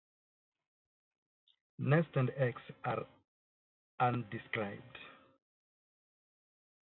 Nest and eggs are undescribed.